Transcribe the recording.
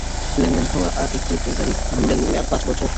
লেনদেন হওয়া আর একটি ট্রেজারি বন্ডের মেয়াদ পাঁচ বছর।